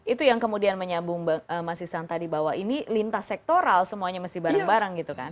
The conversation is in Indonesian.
itu yang kemudian menyambung mas isan tadi bahwa ini lintas sektoral semuanya mesti bareng bareng gitu kan